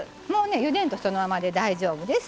ゆでないとそのままで大丈夫です。